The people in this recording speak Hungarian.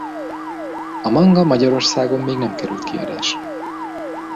A manga Magyarországon még nem került kiadásra.